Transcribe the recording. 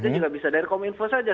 itu juga bisa dari kominfo saja